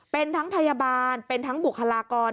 เป็นทั้งพยาบาลเป็นทั้งบุคลากร